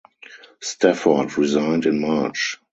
Stafford resigned in March.